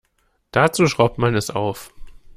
Dazu schraubt man es auf.